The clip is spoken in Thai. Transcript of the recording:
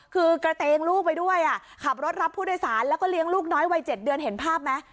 คือกระเตงลูกไปด้วยขับรถรับผู้โดยสารแล้วก็เลี้ยงลูกน้อยวัย๗เดือนเห็นภาพไหม